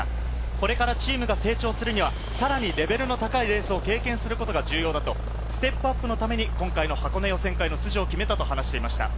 これからチームが成長するには、さらにレベルの高いレースを経験することが重要だと、ステップアップのために今回の箱根予選会の出場を決めたと話していました。